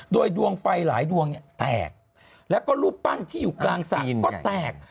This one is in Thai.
โดยดวงไฟหลายดวงเนี่ยแตกแล้วก็รูปปั้นที่อยู่กลางสระก็แตก